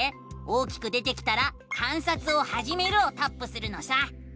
大きく出てきたら「観察をはじめる」をタップするのさ！